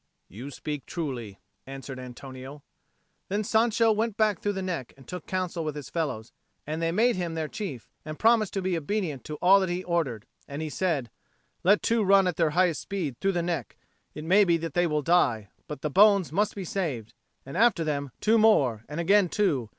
"You speak truly," answered Antonio. Then Sancho went back through the neck and took counsel with his fellows; and they made him their chief, and promised to be obedient to all that he ordered. And he said, "Let two run at their highest speed through the neck: it may be they will die, but the bones must be saved. And after them, two more, and again two.